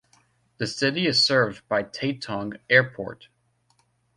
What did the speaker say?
The city is served by Taitung Airport.